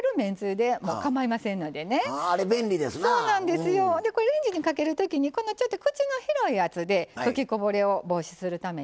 でこれレンジにかける時にこのちょっと口の広いやつで吹きこぼれを防止するためにね。